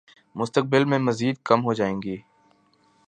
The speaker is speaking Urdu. مستقبل میں مزید کم ہو جائے گی